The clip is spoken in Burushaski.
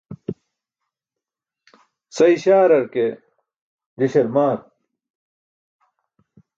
Sa iśaar ke, je śarmaar.